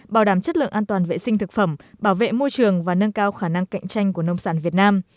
bảo đảm chất lượng an toàn vệ sinh thực phẩm bảo vệ môi trường và nâng cao khả năng cạnh tranh của nông sản việt nam